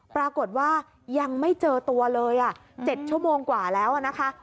ปรากฏว่ายังไม่เจอตัวเลย๗ชั่วโมงกว่าแล้วนะคะ